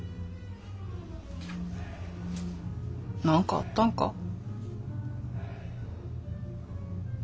何かあったんか？